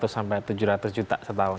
seratus sampai tujuh ratus juta setahun